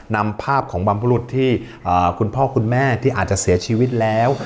นำภาพของบรรพรุษที่คุณพ่อคุณแม่ที่อาจจะเสียชีวิตแล้ว